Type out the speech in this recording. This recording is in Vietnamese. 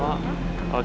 không anh biết nók